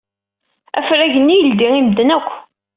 Afrag-nni yeldey i medden akk.